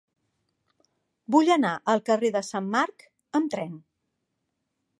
Vull anar al carrer de Sant Marc amb tren.